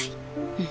うん。